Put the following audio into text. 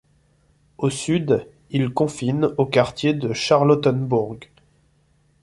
Au sud, il confine au quartier de Charlottenbourg.